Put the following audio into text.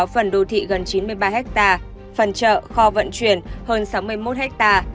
phần chợ kho vận chuyển hơn sáu mươi một ha